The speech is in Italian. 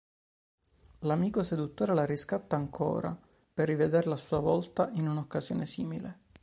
L'amico seduttore la riscatta ancora per rivenderla a sua volta in una occasione simile.